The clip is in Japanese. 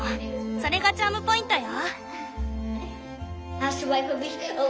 それがチャームポイントよ。